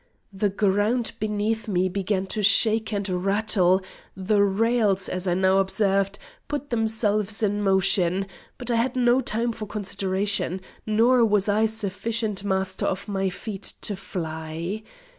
The ground beneath me began to shake and rattle, the rails, as I now observed, put themselves in motion, but I had no time for consideration, nor was I sufficient master of my feet to fly.